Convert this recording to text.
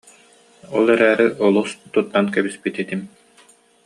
Ол эрээри олус туттан кэбиспит этим